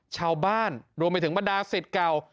ชาวบ้านรวมไปถึงบรรดาสิทธิ์เก่า